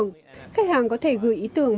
các khách hàng có thể gửi ý tưởng